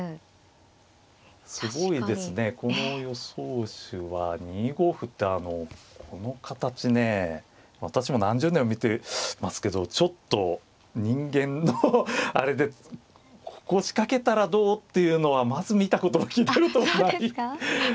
この予想手は２五歩ってこの形ね私も何十年も見てますけどちょっと人間のあれでここ仕掛けたらどうっていうのはまず見たことも聞いたこともない。